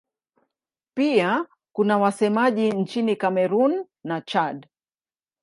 Pia kuna wasemaji nchini Kamerun na Chad.